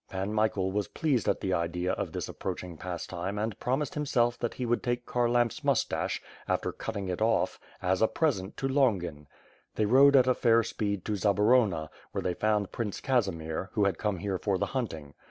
Pan Michael was pleased at the idea of this approaching pastime and promised himself that he would take Kharlamp's moustache, after cut ting it off, as a present to Longin. They rode at a fair speed to Zaborona, where they found Prince Casimir, who had come here for the hunting.